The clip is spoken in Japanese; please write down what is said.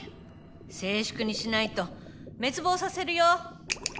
静粛にしないと滅亡させるよ。